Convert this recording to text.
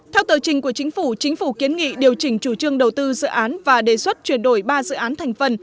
theo tờ trình của chính phủ chính phủ kiến nghị điều chỉnh chủ trương đầu tư dự án và đề xuất chuyển đổi ba dự án thành phần